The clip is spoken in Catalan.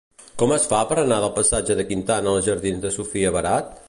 Com es fa per anar del passatge de Quintana als jardins de Sofia Barat?